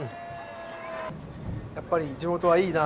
やっぱり地元はいいな。